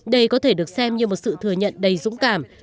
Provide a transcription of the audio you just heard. đây có thể được xem như một sự thừa nhận đầy dũng cảm